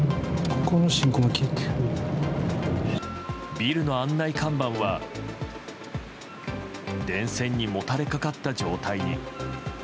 ビルの案内看板は電線にもたれかかった状態に。